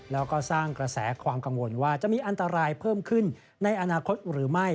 แล้วก็สร้างกระแสความกังวลว่าจะมีอันตรายเพิ่มขึ้นในอนาคตหรือไม่